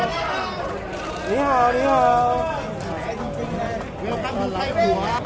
สวัสดีครับ